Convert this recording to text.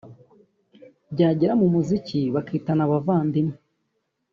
byagera mu muziki bakitana abavandimwe